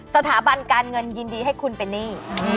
สถาบันการเงินยินดีให้คุณเป็นหนี้